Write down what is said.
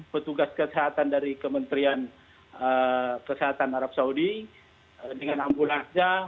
petugas kesehatan dari kementerian kesehatan arab saudi dengan ambulansnya